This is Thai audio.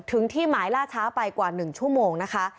ที่หมายล่าช้าไปกว่า๑ชั่วโมงนะคะ